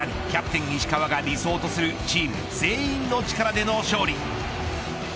若手とベテランまさにキャプテン石川が理想とするチーム全員の力での勝利。